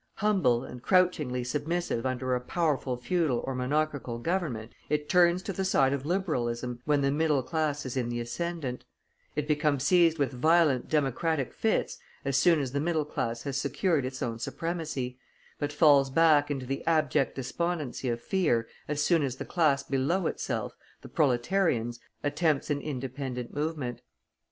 Humble and crouchingly submissive under a powerful feudal or monarchical Government, it turns to the side of Liberalism when the middle class is in the ascendant; it becomes seized with violent democratic fits as soon as the middle class has secured its own supremacy, but falls back into the abject despondency of fear as soon as the class below itself, the proletarians, attempts an independent movement.